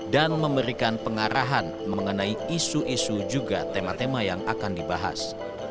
dan memberikan pengarahan mengenai isu isu juga tema tema yang akan dibahas